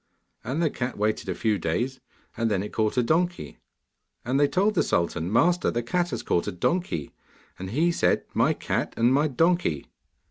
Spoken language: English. And the cat waited a few days, and then it caught a donkey, and they told the sultan, 'Master, the cat has caught a donkey,' and he said, 'My cat and my donkey.